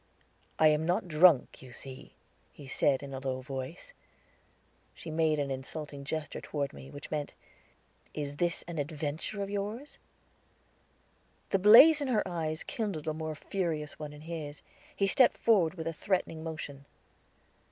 "I am not drunk, you see," he said in a low voice. She made an insulting gesture toward me, which meant, "Is this an adventure of yours?" The blaze in her eyes kindled a more furious one in his; he stepped forward with a threatening motion.